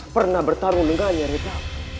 pernah bertarung dengannya reva